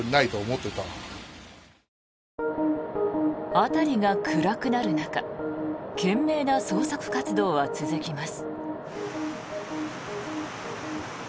辺りが暗くなる中懸命な捜索活動は続きます。